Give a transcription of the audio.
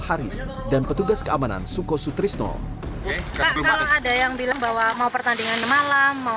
haris dan petugas keamanan suko sutrisno tadi malah ada yang bilang bahwa mau pertandingan malam mau